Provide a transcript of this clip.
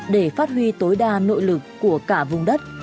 để phát huy tối đa nội lực của cả vùng đất